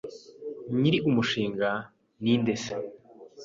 nyiri umushinga ninde se